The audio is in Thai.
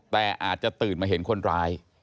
แต่อาจจะตื่นมาเห็นคนร้าย